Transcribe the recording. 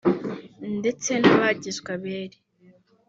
ndetse n’abagizwe abere